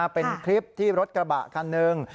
เป็นคลิปที่รถกระบะคันหนึ่ง